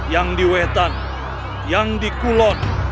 yang diwetan yang dikulon